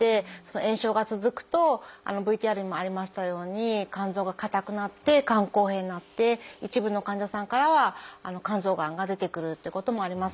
炎症が続くとＶＴＲにもありましたように肝臓が硬くなって肝硬変になって一部の患者さんからは肝臓がんが出てくるっていうこともあります。